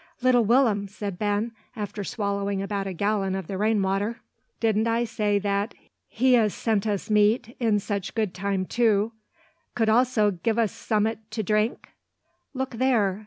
"Little Will'm," said Ben, after swallowing about a gallon of the rain water, "didn't I say that He 'as sent us meat, in such good time too, could also gi' us som'at to drink? Look there!